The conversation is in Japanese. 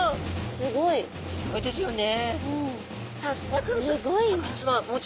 すごいですよね。